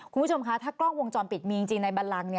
คุณผู้ชมคะถ้ากล้องวงจรปิดมีจริงในบันลัง